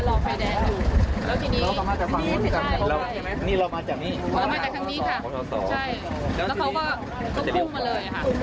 แล้วทีนี้ทีนี้ไม่ได้เรามาจากทางนี้ค่ะแล้วเขาก็ปุ้งมาเลยค่ะ